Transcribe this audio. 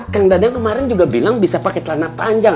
tang dadang kemarin juga bilang bisa pake telana panjang